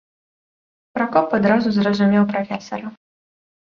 Пракоп адразу зразумеў прафесара.